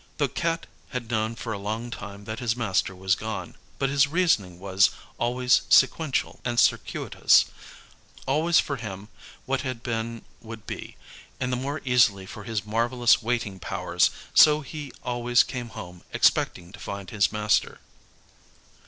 The Cat had known for a long time that his master was gone, but his reasoning was always sequential and circuitous; always for him what had been would be, and the more easily for his marvellous waiting powers so he always came home expecting to find his master.